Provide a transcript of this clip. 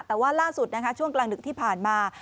แต่ว่าล่าสุดนะคะช่วงกลางดึกที่ผ่านมา